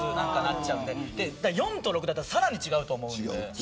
４と６だったらさらに違うと思います。